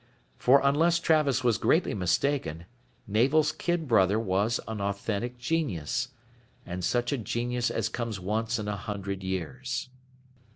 For unless Travis was greatly mistaken, Navel's kid brother was an authentic genius. And such a genius as comes once in a hundred years.